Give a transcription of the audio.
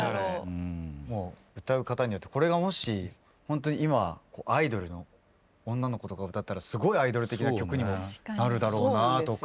歌う方によってこれがもしほんとに今アイドルの女の子とか歌ったらすごいアイドル的な曲にもなるだろうなとか。